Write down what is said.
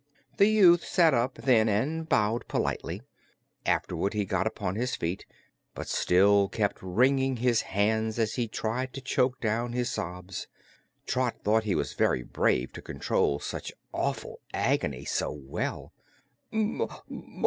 The youth sat up, then, and bowed politely. Afterward he got upon his feet, but still kept wringing his hands as he tried to choke down his sobs. Trot thought he was very brave to control such awful agony so well.